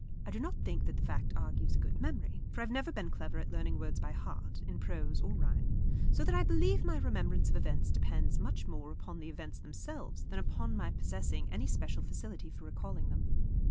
I do not think that the fact argues a good memory, for I have never been clever at learning words by heart, in prose or rhyme; so that I believe my remembrance of events depends much more upon the events themselves than upon my possessing any special facility for recalling them.